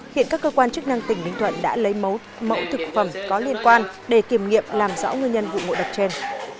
hiện các cơ quan chức năng tỉnh bình thuận đã lấy mẫu thực phẩm có liên quan để kiểm nghiệm làm rõ nguyên nhân vụ ngộ độc trên